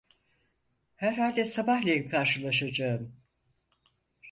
Herhalde sabahleyin karşılaşacağım.